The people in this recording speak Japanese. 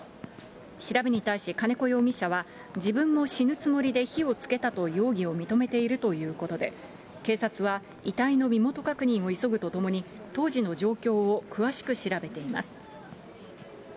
調べに対し、金子容疑者は、自分も死ぬつもりで火をつけたと容疑を認めているということで、警察は遺体の身元確認を急ぐとともに、当時の状況を詳しく調べています。